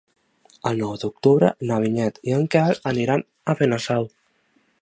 El nou d'octubre na Vinyet i en Quel aniran a Benasau.